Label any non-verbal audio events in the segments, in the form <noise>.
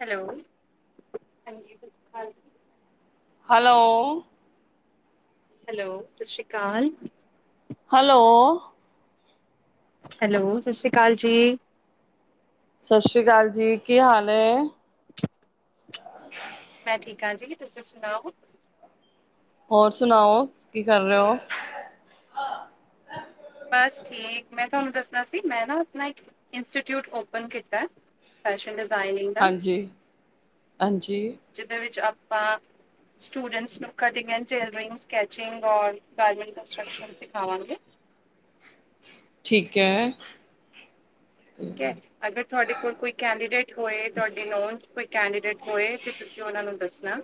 Hello, hello, hello ਸਤਿ ਸ਼੍ਰੀ ਅਕਾਲ, ਹੈਲੋ, ਹੈਲੋ, ਸਤਿ ਸ੍ਰੀ ਅਕਾਲ ਜੀ, ਸਤਿ ਸ੍ਰੀ ਅਕਾਲ ਜੀ, ਕੀ ਹਾਲ ਐ? <inaudible> ਮੈਂ ਠੀਕ ਹਾਂ, ਜੀ ਤੁਸੀ ਸੁਣਾਓ? ਹੋਰ ਸੁਣਾਓ ਕੀ ਕਰ ਰਹੇ ਹੋ? ਬਸ ਠੀਕ, ਮੈਂ ਥਾਨੂੰ ਦੱਸਣਾ ਸੀ ਮੈਂ ਨਾ ਅਪਣਾ ਇੱਕ ਇੰਸਟੀਟਿਊਟ ਓਪਨ ਕੀਤੈ। ਫੈਸ਼ਨ ਡਿਜ਼ਾਇਨਿੰਗ ਦਾ, ਹਾਂਜੀ, ਹਾਂਜੀ। ਜਿਦੇ ਵਿੱਚ ਅਪਾਂ ਸਟੂਡੈਂਟਸ ਨੂੰ ਕਟਿੰਗ ਐਂਡ ਚਿਲਰਿੰਗ, ਸਕੈਚਿੰਗ ਔਰ ਗਾਰਮੈਂਟ ਕੰਸਟਰਕਸ਼ਨ ਸਿਖਾਵਾਂਗੇ। ਠੀਕ ਹੈ। ਠੀਕ ਹੈ, ਅਗਰ ਤੁਹਾਡੇ ਕੋਲ ਕੋਈ ਕੈਂਡੀਡੇਟ ਹੋਏ ਤੁਹਾਡੀ ਨੋਨ ਚ ਕੋਈ ਕੈਂਡੀਡੇਟ ਹੋਏ ਤੇ ਤੁਸੀਂ ਔਨ ਉਨਾਂ ਨੂੰ ਦੱਸਣਾ।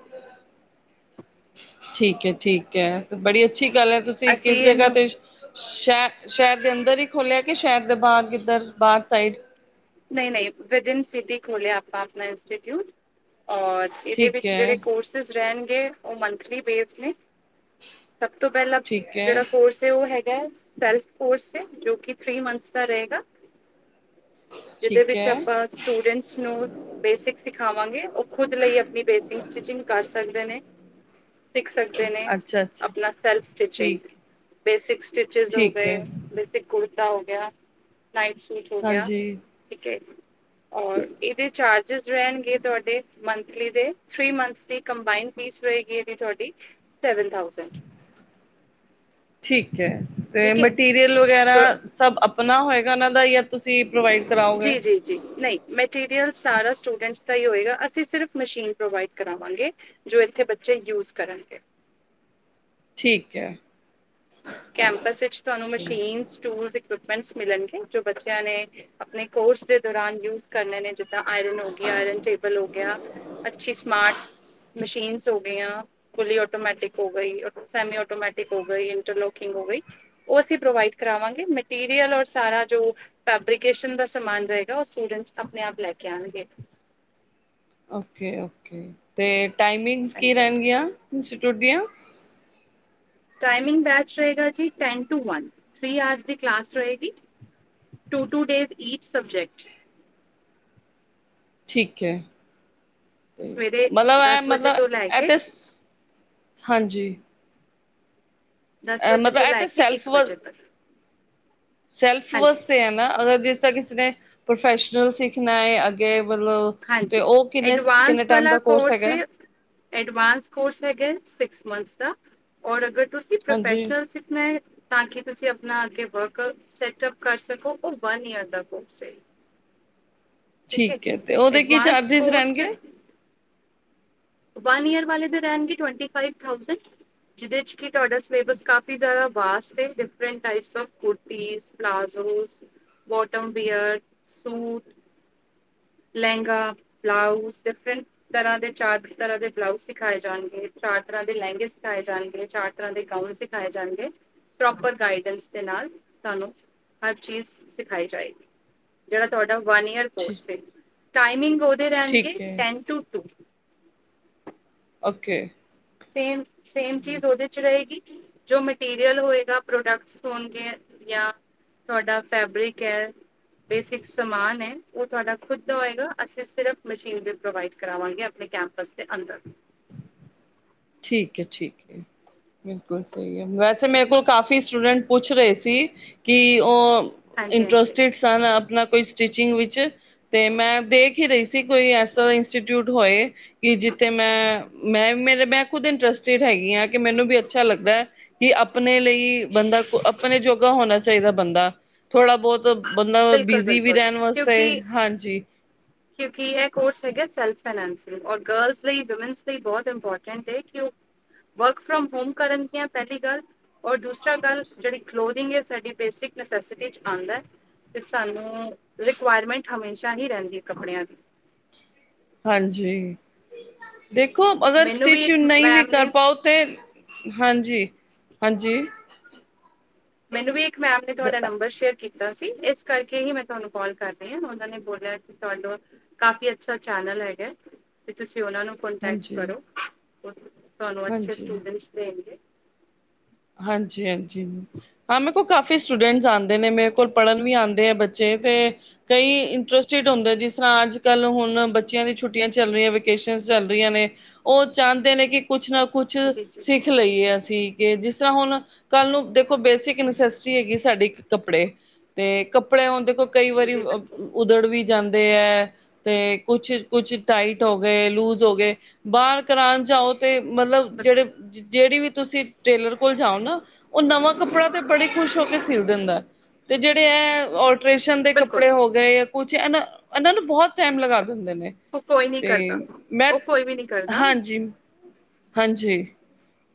ਠੀਕ ਹੈ ਠੀਕ ਹੈ, ਬੜੀ ਅੱਛੀ ਗੱਲ ਹੈ, ਤੁਸੀਂ ਅਸੀਂ ਕਿਸ ਜਗ੍ਹਾ ਇਹਨੂੰ ਤੇ ਸੈ ਸੈਰ ਦੇ ਅੰਦਰ ਹੀ ਖੋਲਿਆ, ਕਿ ਸੈਂਰ ਦੇ ਬਾਰ ਕਿੱਧਰ ਬਾਰ ਸਾਈਡ। ਨਹੀਂ-ਨਹੀਂ, ਵਿਦਇਨ ਸਿਟੀ ਖੋਲਿਆ ਆਪਾਂ ਅਪਣਾ ਇੰਸਟੀਿਊਟ। ਔਰ ਈਦੇ ਠੀਕ ਵਿਚ ਹੈ, ਜੇੜੇ ਕੋਰਸਿਸ ਰੈਣਗੇ, ਔ ਮੰਥਲੀ ਬੇਸ ਨੇ। ਸਭ ਤੋਂ ਪੈਲਾਂ ਠੀਕ ਹੈ, ਜੇੜਾ ਕੋਰਸ ਏ, ਓਹ ਹੈਗ। ਗੈ, ਸਲਫ ਕੋਰਸ ਏ, ਜੋ ਕਿ ਥ੍ਰੀ ਮੰਥਸ ਦਾ ਰਹੇਗਾ। ਜਿਦੇ ਠੀਕ ਵਿੱਚ ਹੈ, ਅਪਾਂ ਸਟੂਡੈਂਟਸ ਨੂੰ ਬੇਸਿਕ ਸਿਖਾਵਾਂਗੇ, ਓਹ ਖੁਦ ਲਈ ਅਪਣੀ ਬੇਸਿੰਗਸ ਸਟਿਚਿੰਗ ਕਰ ਸਕਦੇ ਨੇ। ਸਿੱਖ ਸਕਦੇ ਨੇ, ਅੱਛਾ, ਅੱਛਾ। ਅਪਣਾ ਸੈਲਫ ਸਟਿਚਿੰਗ। ਠੀਕ, ਬੇਸਿਕ ਸਟਟੀਚਿਸ ਹੋ ਠੀਕ ਗਏ, ਹੈ, ਬੇਸਿਕ ਕੁੜਤ ਤਾ ਹੋ ਗਿਆ ਨਾਈਟ ਸੂਟ ਹੋ ਗਿਆ, ਹਾਂਜੀ। ਠੀਕ ਏ। ਔਰ ਏਦੇ ਚਾਰਜਿਸ ਰੈਣਗੇ, ਤੁਹਾਡੇ ਮੰਥਲੀ ਦੇ ਥ੍ਰੀ ਮੰਥ ਦੀ ਕੰਬਾਇਨ ਫੀ ਫੀਸ ਰਹੇਗੀ ਏਦੀ ਤੁਹਾਡੀ, ਸੈਵਨ ਥਾਊਸੈਂਡ। ਠੀਕ ਹੈ, ਤੇ ਮੈਟੀਰੀਅਲ ਵਗੈਰਾ ਸਭ ਅਪਣਾ ਹੋਏਗਾ, ਓਹਨਾਂ ਦਾ ਯਾ ਤੁਸੀਂ ਪ੍ਰੋਵਾਈਡ ਕਰਾਓਗੇ ਜੀ-ਜੀ-ਜੀ, ਨਹੀਂ ਮੈਟੀਰੀਅਲਸ ਸਾਰਾ ਸਟੂਡੈਂਟਸ ਦਾ ਹੀ ਹੋਏਗਾ, ਅਸੀਂ ਸਿਰਫ਼ ਮਸ਼ੀਨ ਪ੍ਰੋਵਾਈਡ ਕਰਾਵਾਂਗੇ, ਜੋ ਏਥੇ ਬੱਚੇ ਯੂਜ ਕਰਨ ਗੇ। ਠੀਕ ਹੈ। ਕੈਂਪਸ ਏਚ ਤੁਹਾਨੂੰ ਮਸ਼ੀਨ ਸਟੂਲ ਇਕ ਦ ਵੈਣਸ ਮਿਲਣ ਗੇ ਜੋ ਬੱਚਿਆਂ ਨੇ ਅਪਣੇ ਕੋਰਸ ਦੇ ਦੌਰਾਨ ਯੂਸ ਕਰਨੇ ਨੇ। ਤਾ ਆਇਰਨ ਹੋ ਗੀ ਆਇਰਨ ਟੇਬਲ ਹੋ ਗਿਆ। ਅੱਛੀ ਸਮਾਰਟ ਮਸ਼ੀਨਸ ਹੋ ਗੀਆ, ਫੁਲੀ ਔਟੋਮੈਟਿਕ ਹੋ ਗਈ, ਅਰ ਸੈਮੀ ਔਟੋਮੈਟਿਕ ਹੋ ਗਈ, ਇੰਟਰਲੋਕ ਕਿੰਗ ਹੋ ਗਈ, ਓਹ ਅਸੀਂ ਪ੍ਰੋਵਾਈਡ ਕਰਾਵਾਂਗੇ। ਮੈਟੀਰੀਲ ਔਲ ਸਾਰਾ ਜੋ ਫੈਬ੍ਰਿਕੇਸ਼ਨ ਦਾ ਸਮਾ ਸਮਾਨ ਰਹੇਗਾ ਓਹ ਸਟੂਡੈਂਟਸ ਅਪਣੇ ਆਪ ਲੈ ਕੇ ਆਣਗੇ। ਓਕੇ ਓਕੇ, ਤੇ ਟਾਈਮਿੰਗਸ ਕੀ ਹਾਂਜੀ ਹਾਂਜੀ ਰੈਣਗੀਆਂ? ਇੰਸਟੀਟਿਊਟ ਦੀਆਂ। ਟਾਈਮਿੰਗ ਬੈਚ ਰਹੇਗਾ ਜੀ ten to one. Three hours ਦੀ ਕਲਾਸ ਰਹੇਗੀ‌। Two two days each subject. ਠੀਕ ਹੈ, ਤੇ ਸਵੇਰੇ ਮਤਲਬ ਐ ਦਸ ਵਜੇ ਮਤਲਬ ਤੋਂ ਲੈ ਐ ਕੇ ਤੇ ਹਾਂਜੀ। ਦਸ ਵਜੇ ਮਤਲਬ ਤੋਂ ਇਹ ਲੈ ਤੇ ਕੇ ਸੈਲਫ ਇੱਕ ਵਜੇ ਤੱਕ। ਸੈਲਫ ਹਾਂਜੀ ਵਾਸਤੇ ਐ ਨਾ, ਅਗਰ ਜਿਸ ਤਾ ਕਿਸੀ ਨੇ ਪ੍ਰੋਫੈਸ਼ਨਲ ਸਿੱਖਣਾ ਏ, ਅੱਗੇ ਮਤਲਬ ਤੇ ਹਾਂਜੀ ਓਹ ਕਿੰਨੇ ਕਿੰਨੇ ਐਡਵਾਂਸ ਟਾਈਮ ਵਾਲਾ ਦਾ ਕੋਰਸ ਹੈਗੈ? ਏ ਐਡਵਾਂਸ ਕੋਰਸ ਹੈਗੈ ਸੀਕਸ ਮਨਥਸ ਦਾ, ਔਰ ਅਗਰ ਤੁਸੀਂ ਹਾਂਜੀ ਪ੍ਰੋਫੈਸ਼ਨਲ ਸਿਖਣੈ ਤਾਂ ਕਿ ਤੁਸੀਂ ਅਪਣਾ ਅੱਗੇ ਵਰਕ ਸੈਟਅਪ ਕਰ ਸਕੋ ਓਹ ਵਨ ਈਅਰ ਦਾ ਕੋਰਸ ਏ। ਠੀਕ ਹੈ, ਤੇ ਉਹਦੇ ਕੀ ਐਡਵਾਂਸ ਚਾਰਜਿਸ ਕੋਰਸ ਚ ਰਹਿਣਗੇ ਵਨ ਈਅਰ ਵਾਲੇ ਦੇ ਰੈਣਗੇ ਟਵਣਟੀ ਫਾਇਵ ਥਾਉਸੈਂਡ। ਜਿਦੇ ਚ ਕੀ ਤੁਹਾਡਾ ਸਲੇਬਸ ਕਾਫੀ ਜੈਦਾ ਵਾਸਟ ਏ, different types of kurtis palazzos, bottom wear, suit lehenga, blouse, different ਤਰਾ ਦੇ ਚਾਰ ਤਰਾ ਦੇ ਬਲਾਉਜ ਸਿਖਾਏ ਜਾਣਗੇ। ਚਾਰ ਤਰ੍ਹਾਂ ਦੇ ਲਹਿੰਗੇ ਸਿਖਾਏ ਜਾਣਗੇ, ਚਾਰ ਤਰ੍ਹਾਂ ਦੇ ਗਾਊਨ ਸਿਖਾਏ ਜਾਣਗੇ। ਪ੍ਰੋਪਰ ਗਾਈਡੈਂਸ ਦੇ ਨਾਲ ਤਾਨੂੰ ਹਰ ਚੀਜ਼ ਸਿਖਾਈ ਜਾਏਗੀ। ਜੇੜਾ ਤੁਹਾਡਾ ਵਨ ਈਅਰ ਠੀਕ ਕੋਰਸ ਏ, ਟਾਈਮਿੰਗ ਔਦੇ ਰੈਣਗੇ ਠੀਕ ਹੈ ten to two. Okay. Same same ਚੀਜ਼ ਉਹਦੇ ਚ ਰਹੇਗੀ। ਜੋ ਮਟੀਰੀਅਲ ਹੋਏਗਾ, ਪ੍ਰੋਡਕਟਸ ਹੋਣਗੇ ਜਾਂ। ਤੁਹਾਡਾ ਫੈਬਰਿਕ ਹੈ। ਬੇਸਿਕ ਸਮਾਨ ਏ ਉਹ ਤੁਹਾਡਾ ਖੁਦ ਦਾ ਹੋਏਗਾ। ਅਸੀਂ ਸਿਰਫ਼ ਮਸ਼ੀਨ ਪ੍ਰੋਵਾਈਡ ਕਰਾਵਾਂਗੇ ਆਪਣੇ ਕੈਂਪਸ ਦੇ ਅੰਦਰ। ਠੀਕ ਹੈ, ਠੀਕ ਹੈ ਬਿਲਕੁਲ ਸਹੀ ਹੈ। ਵੈਸੇ ਮੇਰੇ ਕੋਲ ਕਾਫੀ ਸਟੂਡੈਂਟ ਪੁੱਛ ਰਹੇ ਸੀ, ਕਿ ਉਹ ਹਾਂਜੀ ਹਾਂਜੀ ਇੰਟਰਸਟਿਡ ਸਨ ਆਪਨਾ ਕੋਈ ਸਟਿਚਿੰਗ ਵਿੱਚ ਤੇ ਮੈਂ ਦੇਖ ਹੀ ਰਹੀ ਸੀ। ਕੋਈ ਐਸਾ ਇੰਸਟੀਟਿਊਟ ਹੋਏ ਕਿ ਜਿ ਤੇ ਮੈਂ-ਮੈਂ ਮੇਰੇ ਖੁਦ ਇੰਟਰਸਟਿਡ ਹੈਗੀ ਆਂ, ਕਿ ਮੈਨੂੰ ਵੀ ਅੱਛਾ ਲੱਗਦੈ ਕਿ, ਆਪਨੇ ਲਈ ਬੰਦਾ ਆਪਣੇ ਜੋਗਾ ਹੋਣਾ ਚਾਹੀਦੈ ਬੰਦਾ ਥੋੜਾ ਬਹੁਤ ਬੰਦਾ ਬਿਲਕੁਲ ਬਿਜ਼ੀ ਵੀ ਬਿਲਕੁਲ ਰਹਿਨ ਵਾਸਤੇ ਕਿਉਂਕਿ ਹਂਜੀ। ਠੀਕ ਹ ਸੈਲਫ ਫਾਈਨੈਂਸ ਔਰ ਗਰਲਸ ਲਈ ਬਹੁਤ ਇਮਪੋਰਟੈਂਟ ਹ ਕਿ ਉਹ ਵਰਕ ਫਰੋਮ ਹੋਮ ਕਰਨਗੀਆਂ ਪਹਿਲੀ ਗੱਲ, ਔਰ ਦੂਸਰਾ ਗੱਲ ਜਿਹੜੀ ਕਲੋਰਿੰਗ ਹੈ ਸਾਡੀ ਬੇਸਿਕ ਨਸੈਸਿਟੀ ਆਉਂਦੈ। ਤੇ ਸਾਨੂੰ ਰਿਕੁਆਇਰਮੈਂਟ ਹਮੇਸ਼ਾ ਹੀ ਰਹਿੰਦੀ ਹੈ ਕੱਪੜਿਆਂ ਦੀ। ਹਾਂਜੀ। ਦੇਖੋ ਅਗਰ ਮੈਨੂੰ ਵੀ ਸਟਿਚ ਇੱਕ ਨਹੀਂ ਵੀ ਮੈਮ ਕਰ ਨੇ ਪਾਓ ਤੇ, ਹਾਂਜੀ। ਹਾਂਜੀ। ਮੈਨੂੰ ਵੀ ਇੱਕ ਮੈਮ ਨੇ ਤੁਹਾਡਾ ਨੰਬਰ ਸ਼ੇਅਰ ਕੀਤਾ ਕੀਤਾ ਸੀ, ਇਸ ਕਰਕੇ ਹੀ ਮੈਂ ਤੁਹਾਨੂੰ ਕੋਲ ਕਰ ਰਹੀ ਹਾਂ। ਉਹਨਾਂ ਨੇ ਬੋਲਿਆ ਕਿ ਤੁਹਾਨੂੰ ਕਾਫ਼ੀ ਅੱਛਾ ਕਿ ਤੁਸੀ ਉਹਨਾਂ ਨੂੰ ਕੋਂਟੈਕਟ ਹਾਂਜੀ ਕਰੋ। ਤੁਹਾਨੂੰ ਅੱਛੇ ਹਾਂਜੀ ਸਟੂਡੈਂਟਸ ਦੇਣਗੇ। ਹਾਂਜੀ, ਹਾਂਜੀ ਹਾਂ ਮੈਂ ਕਾਫੀ ਸਟੂਡੈਂਟਸ ਆਂਦੇ ਨੇ ਮੇਰੇ ਕੋਲ ਪੜ੍ਹਨ ਵੀ ਆਂਦੇ ਆ ਬੱਚੇ, ਤੇ ਕਈ ਇੰਟਰਸਟਿਡ ਹੁੰਦੇ ਜਿਸ ਤਰ੍ਹਾਂ ਅੱਜ-ਕੱਲ ਹੁਣ ਬੱਚਿਆਂ ਦੀ ਛੁੱਟੀਆਂ ਚੱਲ ਰਹੀਆਂ ਵਿਕੇਸ਼ਨਸ ਚੱਲ ਰਹੀਆਂ ਨੇ। ਉਹ ਚਾਂਦੇ ਨੇ ਕਿ ਕੁਛ ਨਾ ਕੁਛ ਜੀ ਜੀ ਸਿੱਖ ਲਈਏ ਅਸੀਂ, ਕਿ ਜਿਸ ਤਰ੍ਹਾਂ ਹੁਣ ਕੱਲ ਨੂੰ ਦੇਖੋ ਬੇਸਿਕ ਨਸੈਸਿਟੀ ਹੈਗੀ ਸਾਡੀ ਕੱਪੜੇ, ਤੇ ਕੱਪੜੇ ਹਣ ਦੇਖੋ ਕਈ ਵਰੀ ਜੀ ਬਿਲਕੁਲ ਉਧੜ ਵੀ ਜਾਂਦੇ ਹੈ, ਤੇ ਕੁਛ-ਕੁਛ ਟਾਈਟ ਹੋ ਗਏ, ਲੂਜ ਹੋ ਗਏ ਬਾਹਰ ਕਰਾਨ ਜਾਓ ਤੇ ਮਲਬ ਬਿਲਕੁਲ ਜੇੜੇ-ਜੇੜੀ ਵੀ ਤੁਸੀ ਟੇਲਰ ਕੋਲ ਜਾਓ ਨਾ, ਉਹ ਨਵਾਂ ਕੱਪੜਾ ਤੇ ਬੜੇ ਖੁਸ਼ ਹੋ ਕੇ ਸਿਲ ਦੇੰਦੈ, ਤੇ ਜੇੜੇ ਐ ਅਲਟਰੇਸ਼ਨ ਦੇ ਬਿਲਕੁਲ ਕੱਪੜੇ ਹੋ ਗਏ, ਕੁਛ ਇਨਾਂ-ਇਨਾਂ ਨੂੰ ਬੋਹਤ ਟਾਈਮ ਲਗਾ ਹੁੰਦੇ ਨੇ, ਉਹ ਕੋਈ ਨਹੀਂ ਤੇ ਕਰਦਾ ਮੈਂ ਉਹ ਕੋਈ ਵੀ ਨਹੀਂ ਕਰਦਾ ਹਂਜੀ। ਹਂਜੀ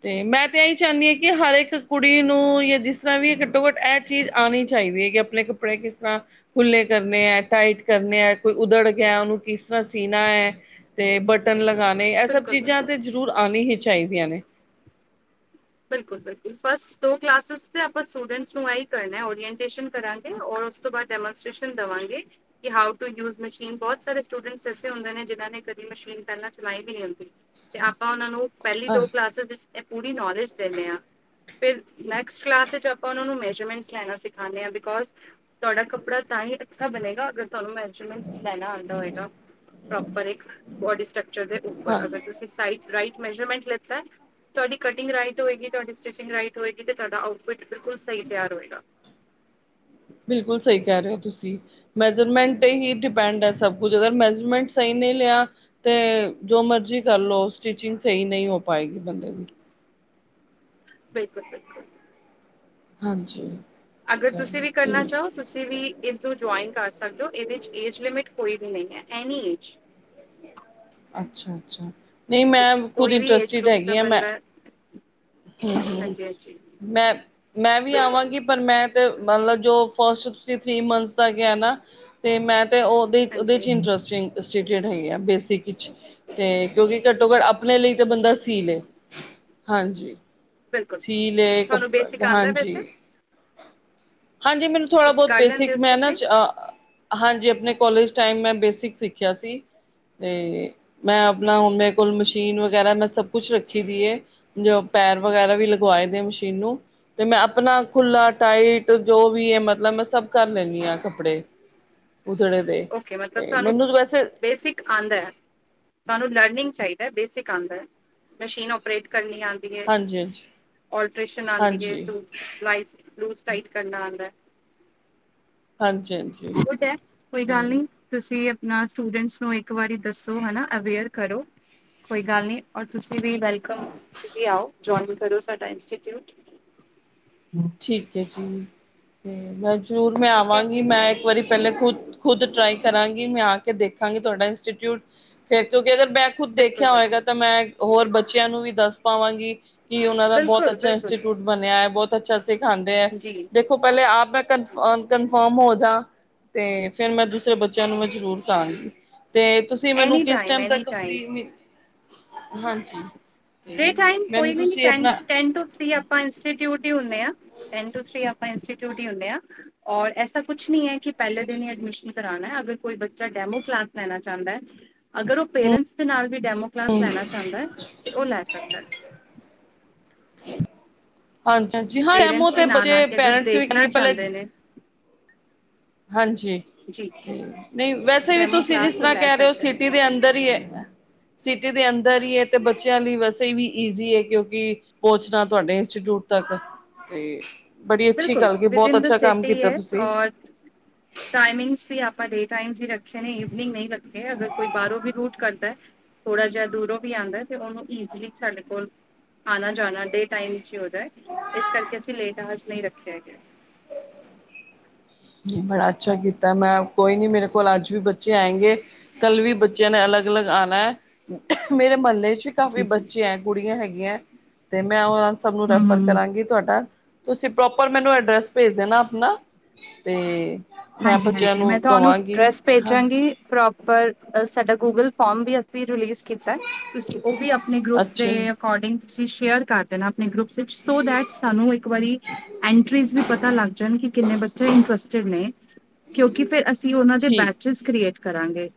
ਤੇ ਮੈਂ ਤੇ ਐਇ ਚਾਨੀ ਆਂ ਕਿ ਹਰ ਏਕ ਕੁੜੀ ਨੂੰ, ਯਾ ਜਿਸ ਤਰਾਂ ਵੀ ਘੱਟੋ-ਘੱਟ ਐ ਚੀਜ਼ ਆਣੀ ਚਾਈਦੀ ਹੈ। ਕਿ ਅਪਣੇ ਕੱਪੜੇ ਕਿਸ ਤਰਾਂ ਖੁੱਲੇ ਕਰਨੇ ਐਂ, ਟਾਈਟ ਕਰਨੇ ਐਂ, ਕੋਈ ਉਧੜ ਗਿਆ ਉਨੂੰ ਕਿਸ ਤਰਾਂ ਸੀਣਾ ਹੈ। ਤੇ ਬਟਨ ਲਗਾਣੇ ਇਹ ਸਬ ਬਿਲਕੁਲ ਚੀਜਾਂ ਬਿਲਕੁਲ ਤੇ ਜਰੂਰ ਆਣੀ ਹੀ ਚਾਹੀਦੀਆਂ ਨੇ। ਬਿਲਕੁਲ-ਬਿਲਕੁਲ ਫਸਟ ਦੋ ਕਲਾਸਿਸ ਤੇ ਆਪਾਂ ਸਟੂਡੈਂਟਸ ਨੂੰ ਐਈ ਕਰਨੈ ਓਰੀਐਨਟੇਸ਼ਨ ਕਰਾਂਗੇ। ਔਰ ਉਸ ਤੋਂ ਡੈਮੋਸਟ੍ਰੇਸ਼ਨ ਦਵਾਂਗੇ, ਕਿ ਹਾਉ ਟੂ ਯੂਜ਼ ਮਸ਼ੀਨ ਬੋਤ ਸਾਰੇ ਸਟੂਡੈਂਟਸ ਐਸੇ ਹੁੰਦੇ ਨੇ ਜਿਨਾਂ ਨੇ ਕਦੀ ਮਸ਼ੀਨ ਪੈਲਾਂ ਚਲਾਈ ਵੀ ਨੀ ਹੁੰਦੀ, ਤੇ ਆਪਾਂ ਉਨਾਂ ਨੂੰ ਪੈਲੀ ਹਾਂ ਦੋ ਕਲਾਸਿਸ ਵਿਚ ਐ ਪੂਰੀ ਨੌਲੇਜ ਦੇਨੇ ਆਂ ਫਿਰ ਨੈਕਸਟ ਕਲਾਸ ਚ ਆਪਾਂ ਉਨਾਂ ਨੂੰ ਮੈਜਰਮੈਂਟਸ ਲੈਣਾ ਸਿਖਾਨੇ ਆਂ, ਬਿਕੋਜ਼ ਤੁਹਾਡਾ ਕੱਪੜਾ ਤਾਂ ਹੀ ਬਣੇਗਾ ਅਗਰ ਤੁਹਾਨੂੰ ਮੈਜਰਮੈਂਟਸ ਲੈਣਾ ਆਂਦਾ ਹੋਏਗਾ। ਪ੍ਰੋਪਰ ਇੱਕ ਬੋਡੀ ਸਟਕਚਰ ਦੇ ਹਾਂ ਉੱਪਰ, ਅਗਰ ਤੁਸੀਂ ਸਾਈ ਰਾਈਟ ਮੇਜਰਮੈਂਟ ਲਿਤੈ। ਤੁਆਡੀ ਕਟਿੰਗ ਰਾਈਟ ਰਾਈਟ ਹੋਏਗੀ, ਤੁਹਾਡੀ ਸਟਿਚਿੰਗ ਰਾਈਟ ਹੋਏਗੀ, ਤੇ ਤੁਹਾਡਾ ਆਉਟਫਿਟ ਬਿਲਕੁਲ ਸਹੀ ਤਿਆਰ ਹੋਏਗਾ। ਬਿਲਕੁਲ ਸਹੀ ਕਹਿ ਰਹੇ ਹੋ ਤੁਸੀਂ। ਮੈਜ਼ਰਮੈਂਟ ਤੇ ਹੀ ਡਿਪੈਂਡ ਹੈ ਸਭ ਕੁੱਝ ਅਗਰ ਮੈਜਰਮੈਂਟ ਸਹੀ ਨਹੀਂ ਲਿਆ ਤੇ ਜੋ ਮਰਜੀ ਕਰਲੋ। ਸਟਿਚਿੰਗ ਸਹੀ ਨਹੀਂ ਹੋ ਪਾਏਗੀ ਬੰਦੇ ਦੀ। ਬਿਲਕੁਲ-ਬਿਲਕੁਲ। ਹਾਂਜੀ, ਅਗਰ ਤੁਸੀਂ ਚਲੋ ਵੀ ਕਰਨਾ ਠੀਕ ਚਾਹੋ, ਤੁਸੀਂ ਵੀ ਇਸਨੂੰ ਜੁਆਇਨ ਕਰ ਸਕਦੇ ਹੋ। ਇਹਦੇ ਚ ਏਜ ਲਿਮਿਟ ਕੋਈ ਵੀ ਨਹੀਂ ਐ, ਐਨੀ ਏਜ ਅੱਛਾ -ਅੱਛਾ, ਨਹੀਂ ਮੈਂ ਖੁਦ ਕੋਈ ਵੀ ਏਜ ਇੰਟਰਸਟਡ ਗਰੁੱਪ ਦਾ ਹੈਗੀ ਹਾਂ ਮੈਂ। ਬੰਦਾ ਹੂੰ-ਹੂੰ ਹਾਂਜੀ ਹਾਂਜੀ ਮੈਂ, ਮੈਂ ਵੀ ਬਿਲਕੁਲ ਆਵਾਂਗੀ ਪਰ ਮੈਂ ਤੇ ਮਤਲਬ ਜੋ ਫਸਟ ਤੁਸੀ ਥ੍ਰਰੀ ਮਨਥਸ ਦਾ ਕਿਹਾ ਨਾ ਤੇ ਮੈਂ ਤੇ ਉਹ ਉਹਦੇ ਚ ਹਾਂਜੀ ਇੰਟਰਸਟਿੰਗ ਇੰਟਰਸਟਡ ਹੈਗੀ ਆ, ਬੇਸਿਕ ਚ ਕਿਉਂਕਿ ਘੱਟੋ ਘੱਟ ਆਪਣੇ ਲਈ ਤੇ ਬੰਦਾ ਓਕੇ ਸੀ ਲੈ, ਹਾਂਜੀ। ਬਿਲਕੁਲ ਸੀਅ ਲੇ ਤੁਹਾਨੂੰ ਕੱਪੜ, ਬੇਸਿਕ ਆਉਂਦਾ ਹਾਂਜੀ। ਵੈਸੇ ਹਾਂਜੀ, ਮੈਨੂੰ ਥੋੜਾ ਤੁਸੀਂ ਬਹੁਤ ਕਰ ਲੈਂਦੇ ਬੇਸਿਕ ਹੋ ਮੈਂ ਨਾ ਸਟਿਚਿੰਗ ਚ, ਹਾਂਜੀ ਆਪ ਆਪਣੇ ਕੋਲਜ ਟਾਈਮ ਮੈਂ ਬੇਸਿਕ ਸਿੱਖਿਆ ਸੀ, ਤੇ ਮੈਂ ਜੀ ਆਪਣਾ ਜੀ ਹੁਣ ਮੇਰੇ ਕੋਲ ਮਸ਼ੀ ਮਸ਼ੀਨ ਵਗੈਰਾ ਮੈਂ ਸਭ ਕੁਛ ਰੱਖੀ ਦੀ ਹੈ ਜੋ ਪੈਰ ਵਗੈਰਾ ਵੀ ਲਗਵਾਏ ਨੇ ਮਸ਼ੀਨ ਨੂੰ, ਤੇ ਮੈਂ ਆਪਣਾ ਖੁੱਲਾ ਟਾਈਟ ਜੋ ਵੀ ਐ ਮਤਲਬ ਮੈਂ ਸਭ ਕਰ ਲੈਣੀ ਆਂ ਕੱਪੜੇ। <inaudible> ਉਧੜੇ ਦੇ ਓਕੇ ਮਤਲਬ ਤੇ ਤਹਾਨੂੰ ਮੈਨੂੰ ਵੈਸੇ ਬੇਸਿਕ ਆਂਦਾ, ਤਹਾਨੂੰ ਲ ਲਿੰਕ ਚਾਹੀਦਾ ਬੇਸਿਕ ਆਂਦਾ ਹੈ, ਮਸ਼ੀਨ ਆਪਰੇਟ ਕਰਨੀ ਆਂਦੀ ਹੈ। ਹਾਂਜੀ ਹਾਂਜੀ ਅਲਟ੍ਰੇਸ਼ਨ ਆਂਦੀ ਏ, ਹਾਂਜੀ ਬਲੁ ਲਾਈਸ ਬਲੂਸ ਟਾਈਟ ਕਰਨਾ ਆਂਦਾ। ਹਾਂਜੀ -ਹਾਂਜੀ। ਗੁੱਡ ਹੈ ਕੋਈ ਗੱਲ ਨੀ ਤੇ ਤੁਸੀਂ ਤੁਸੀਂ ਆਪਣਾ ਸਟੂਡੈਂਟਸ ਨੂੰ ਇੱਕ ਵਾਰੀ ਦੱਸੋ ਹਨਾ ਅਵੇਅਰ ਕਰੋ, ਕੋਈ ਗੱਲ ਨਹੀਂ ਔਰ ਤੁਸੀਂ ਵੀ ਵੈਲਕਮ, ਤੁਸੀਂ ਵੀ ਆਓ, ਜੁਆਇਨ ਕਰੋ ਸਾਡਾ ਇੰਸਟੀਟਿਊਟ। ਠੀਕ ਹੈ ਜੀ, ਤੇ ਮੈਂ ਜ਼ਰੂਰ ਮੈਂ ਠੀਕ ਹੈ ਆਵਾਂਗੀ, ਮੈਂ ਇੱਕ ਵਾਰੀ ਪਹਿਲਲੇ ਖੁਦ ਖੁਦ ਟਰਾਈ ਕਰਾਂਗੀ ਮੈਂ ਆ ਕੇ ਦੇਖਾਂਗੀ ਤੁਹਾਡਾ ਇੰਸਟੀਚਿਊਟ ਫਿਰ ਕਿਉਂ ਅਗਰ ਮੈਂ ਖੁੱਦ ਬਿਲਕੁਲ ਦੇਖਿਆ ਹੋਏਗਾ ਬਿਲਕੁਲ ਤਾਂ ਮੈਂ ਹੋਰ ਬੱਚਿਆਂ ਨੂੰ ਵੀ ਦੱਸ ਪਾਵਾਂਗੀ ਕਿ ਉਹਨਾਂ ਦਾ ਬਹੁਤ ਬਿਲਕੁਲ ਅੱਛਾ ਬਿਲਕੁਲ ਇੰਸਟੀਚਿਊਟ ਬਣਿਆ ਹੈ ਬਹੁਤ ਅੱਛਾ ਖਾਂਦੇ ਹੈ ਜੀ ਦੇਖੋ ਪਹਿਲੇ ਆਪ ਮੈਂ ਜੀ ਕਨਫਰਮ ਹੋ ਜਾ ਤੇ ਫੇਿਰ ਮੈਂ ਬੱਚਿਆਂ ਨੂੰ ਮੈਂ ਜ਼ਰੂਰਤ ਆਗੀ ਤੇ ਤੁਸੀ ਮੈਨੂੰ ਐਨੀ ਕਿਸ ਟਾਈਮ ਟੈਮ ਐਨੀ ਤਕ ਟਾਈਮ ਫਰੀ, ਹਾਂਜੀ। ਤੇ ਡੇ ਟਾਈਮ ਕੋਈ ਮੈਨੂੰ ਵੀ ਨਹੀਂ ਤੁਸੀਂ ਟਾਈਮ, ਆਪਣਾ ਟੇਂਨ ਟੂ ਥ੍ਰੀ ਆਪਾਂ ਇੰਸਟੀਟਿਊਟ ਹੀ ਹੁੰਦੇ ਆਂ, ਟੇਂਨ ਟੂ ਥ੍ਰੀ ਆਪਾਂ ਇੰਸਟੀਟਿਊਟ ਹੀ ਹੁੰਦੇ ਹਾਂ, ਔਰ ਐਸਾ ਕੁਛ ਨਹੀਂ ਹੈ ਕਿ ਪਹਿਲੇ ਦਿਨ ਹੀ ਐਡਮਿਸ਼ਨ ਕਰਾਣਾ, ਅਗਰ ਕੋਈ ਬੱਚਾ ਡੈਮੋ ਕਲਾਸ ਲੈਣਾ ਚਾਂਹਦਾ, ਅਗਰ ਉਹ ਪੇਰੈਂਟਸ ਦੇ ਨਾਲ ਵੀ ਡੈਮੋ ਕਲਾਸ ਲੈਣਾ ਚਾਂਹਦਾ। ਲੈ ਸਕਦਾ ਹੈ। ਹਾਂਜੀ-ਹਾਂਜੀ ਹਾਂ ਐਮ ਓ ਪੇਰੈਂਟਸ ਵੀ ਤੇ ਨਾਲ ਆ ਬੱਚੇ ਕੇ ਅਗਰ ਪੇਰੈਂਟਸ ਵੀ ਦੇਖਣਾ ਕਹਿਣਗੇ ਪਹਿਲੇ ਚਾਹੁੰਦੇ ਨੇ ਹਾਂਜੀ, ਜੀ ਤੇ ਨਹੀਂ ਵੈਸੇ ਵੀ ਡੈਮੋ ਤੁਸੀਂ ਜਿਸ ਕਲਾਸ ਉਹ ਤਰ੍ਹਾਂ ਲੈ ਕਹਿ ਰਹੇ ਹੋ, ਸਕਦੇ ਨੇ ਸਿਟੀ ਦੇ ਅੰਦਰ ਈ ਐ। <inaudible> ਸਿਟੀ ਦੇ ਅੰਦਰ ਹੀ ਏ, ਤੇ ਬੱਚਿਆਂ ਲਈ ਵੈਸੇ ਵੀ ਈਜ਼ੀ ਏ, ਕਿਉਂਕਿ ਪਹੁੰਚਣਾ ਤੁਹਾਡੇ ਇੰਸਟੀਟਿਊਟ। ਤਕ ਤੇ ਬੜੀ ਅੱਛੀ ਬਿਲਕੁਲ ਗੱਲ, ਕਿ ਵਿਦ ਬਹੁਤ ਇਨ ਦਾ ਅੱਛਾ ਕੰਮ ਕੀਤਾ ਤੁਸੀਂ। ਟਾਇਮਿੰਗਸ ਵੀ ਆਪਾਂ ਡੇ ਟਾਈਮਸ ਹੀ ਰੱਖੇ ਨੇ, ਇਵਨਿੰਗ ਨਹੀਂ ਰੱਖੇ, ਅਗਰ ਕੋਈ ਬਾਹਰੋਂ ਵੀ ਰੂਟ ਕਰਦਾ। ਥੋੜਾ ਜਿਹਾ ਦੂਰੋਂ ਵੀ ਆਂਦਾ, ਤੇ ਉਹਨੂੰ ਈਜ਼ਲੀ ਸਾਡੇ ਕੋਲ ਆਣਾ ਜਾਣਾ ਡੇ ਟਾਈਮ ਚੀ ਹੋ ਜਾਏ, ਇਸ ਕਰਕੇ ਅਸੀਂ ਲੇਟ ਆ ਨਹੀਂ ਰੱਖਿਆ ਹੈਗਾ। ਨਹੀਂ ਬੜਾ ਅੱਛਾ ਕੀਤਾ ਮੈਂ, ਕੋਈ ਨੀ ਮੇਰੇ ਕੋਲ ਅੱਜ ਵੀ ਬੱਚੇ ਬੱਚੇ ਆਏਂਗੇ, ਕੱਲ ਵੀ ਬੱਚਿਆਂ ਨੇ ਅਲਗ-ਅਲੱਗ ਆਨਾ ਮੇਰੇ ਮਹੱਲੇ। ਕਾਫੀ ਜੀ ਜੀ ਬੱਚੇ ਐ, ਕੁੜੀਆਂ ਹੈਗੀਆਂ ਤੇ ਮੈਂ ਉਹਨਾ ਸਬ ਨੂੰ ਹੂੰ ਰੈਫਰ ਹੂੰ ਕਰਾਂਗੀ ਤੁਹਾਡਾ ਤੁਸੀਂ ਪ੍ਰੋਪਰ ਮੈਨੂੰ ਐਡਰੈਸ ਭੇਜ ਦੇਣਾ, ਆਪਣਾ ਤੇ ਮੈਂ ਹਾਂਜੀ ਬੱਚਿਆਂ -ਹਾਂਜੀ, ਨੂੰ ਮੈਂ ਤੁਹਾਨੂੰ ਕਵਾਂਗੀ ਡਰੈੱਸ ਹਾਂ ਭੇਜਾਂਗੀ ਪ੍ਰੋਪ ਪਰ ਸਾਡਾ ਗੂਗਲ ਫਾਰਮ ਵੀ ਅਸੀਂ ਰਿਲੀਜ਼ ਕੀਤਾ ਐ, ਤੁਸੀਂ ਉਹ ਵੀ ਆਪਣੇ ਗਰੁੱਪ ਅੱਛਾ ਦੇ ਅਕੋਰਡਿੰਗ ਤੁਸੀਂ ਸ਼ੇਅਰ ਕਰ ਦੇਨਾ, ਆਪਣੇ ਗਰੁੱਪ ਸੋ ਦੈਟ ਸਾਨੂੰ ਇੱਕ ਵਾਰੀ ਐਂਟਰੀਜ਼ ਵੀ ਪਤਾ ਲੱਗ ਜਾਣ, ਕਿ ਕਿੰਨੇ ਬੱਚੇ ਇੰਟਰਸਟਿਡ ਨੇ। ਕਿਉਂਕਿ ਫਿਰ ਅਸੀਂ ਉਹਨਾਂ ਦੇ ਠੀਕ ਬੈਚਿਸ ਕ੍ਰੀਏਟ ਕਰਾਂਗੇ।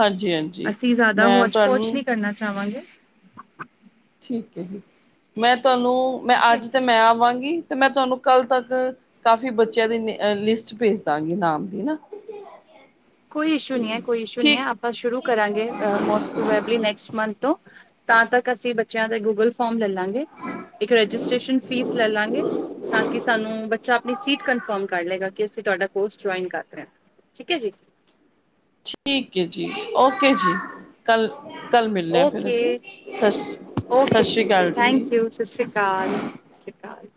ਹਾਂਜੀ ਹਾਂਜੀ ਅਸੀਂ ਜ਼ਿਆਦਾ ਮੈਂ ਹੋਚ ਪੋਚ ਤੁਹਾਨੂੰ ਨਹੀਂ ਕਰਨਾ ਚਾਹਵਾਂਗੇ ਠੀਕ ਹੈ ਜੀ, ਮੈਂ ਤੁਹਾਨੂੰ ਮੈਂ ਠੀਕ ਹੈ ਅੱਜ ਤੇ ਮੈਂ ਆਵਾਂਗੀ ਤੇ ਮੈਂ ਤੁਹਾਨੂੰ ਕੱਲ ਤੱਕ ਕਾਫੀ ਬੱਚਿਆਂ ਦੀ ਲਿਸਟ ਭੇਜ ਦਾਂ ਗੀ ਨਾਮ ਏ ਨਾ ਕੋਈ ਇਸ਼ੂ ਨਹੀਂ ਹੈ, ਕੋਈ ਇਸ਼ੂ ਨਹੀਂ ਹੈ ਠੀਕ ਆਪਾਂ ਸ਼ੁਰੂ ਕਰਾਂਗੇ most probably next month ਤੋਂ ਤਾਂ ਤੱਕ ਅਸੀਂ ਬੱਚਿਆਂ ਦੇ ਗੂਗਲ ਫੋਰਮ ਲੈ ਲਾਂਗੇ ਇੱਕ ਰਜਿਸਟ੍ਰੇਸ਼ਨ ਫੀਸ ਲੈ ਲਾਂਗੇ ਤਾਂ ਕਿ ਸਾਨੂੰ ਬੱਚਾ ਸੀਟ ਕਨਫਰਮ ਕਰ ਲਏਗਾ ਕਿ ਅਸੀਂ ਤੁਹਾਡਾ ਕੋਰਸ ਜੁਆਇਨ ਕਰ ਰਹੇ ਲਿਆ ।ਠੀਕ ਹੈ ਜੀ। ਠੀਕ ਹੈ ਜੀ। ਔਕੇ ਜੀ। ਕੱਲ੍ਹ ਕੱਲ੍ਹ ਮਿਲਨੇ ਆਂ ਫਿਰ ਅਸੀ, ਸਤਿ ਸ਼੍ਰੀ ਸਤਿ ਔਕੇ ਸ਼੍ਰੀ ਜੀ, ਅਕਾਲ ਥੈਂਕ ਯੂ। ਸਤਿ ਸ਼੍ਰੀ ਅਕਾਲ, ਸਤਿ ਸ਼੍ਰੀ ਅਕਾਲ।